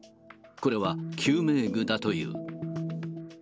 これは救命具だという。